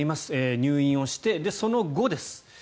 入院をして、その後です。